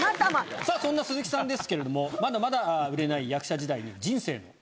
さぁそんな鈴木さんですけれどもまだまだ売れない役者時代に。